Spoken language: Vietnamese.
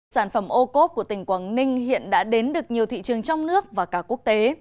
sản phẩm ô cốp của tỉnh quảng ninh hiện đã đến được nhiều thị trường trong nước và cả quốc tế